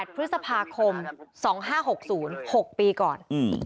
พฤษภาคม๒๕๖๐๖ปีก่อน